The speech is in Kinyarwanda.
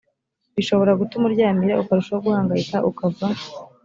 bishobora gutuma uryamira ukarushaho guhangayika ukava